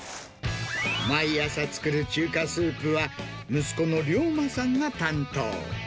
毎朝作る中華スープは、息子のりょうまさんが担当。